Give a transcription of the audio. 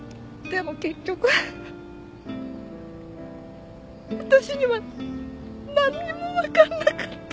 でも結局私にはなんにもわからなかった。